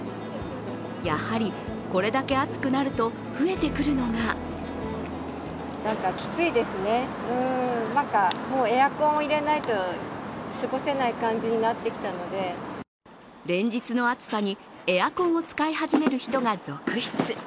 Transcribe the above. やはり、これだけ暑くなると増えてくるのが連日の暑さにエアコンを使い始める人が続出。